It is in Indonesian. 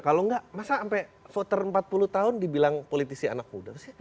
kalau enggak masa sampai voter empat puluh tahun dibilang politisi anak muda sih